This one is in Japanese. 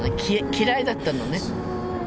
嫌いだったのね。